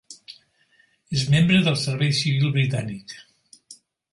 És membre del Servei Civil britànic.